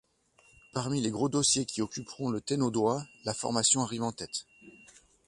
Parmi les gros dossiers qui occuperont le Tennodois, la formation arrive en tête.